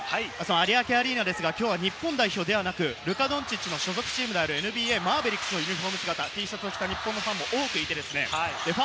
有明アリーナ、日本代表ではなくルカ・ドンチッチの所属チームであるＮＢＡ・マーベリックスのＴシャツを着た日本ファンも多くいます。